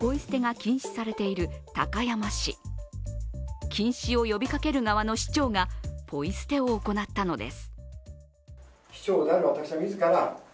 禁止を呼びかける側の市長がポイ捨てを行ったのです。